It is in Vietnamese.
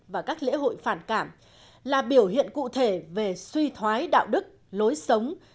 và các lễ hội phản cảm là biểu hiện cụ thể về suy thoái đạo đức lối sống